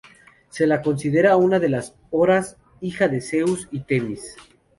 Se la consideraba una de las Horas, hija de Zeus y Temis.